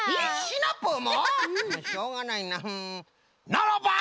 ならば！